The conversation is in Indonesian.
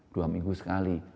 dua minggu sekali